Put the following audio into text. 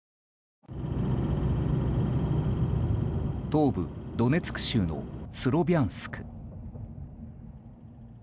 東部ドネツク州のスロビャンスク。